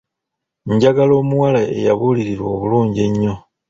Njagala omuwala eyabuulirirwa obulungi ennyo.